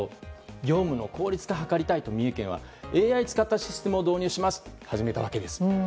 業務の効率化を図りたいと三重県はＡＩを使ったシステムを導入しますと始めたわけです。